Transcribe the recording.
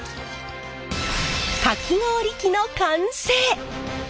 かき氷機の完成！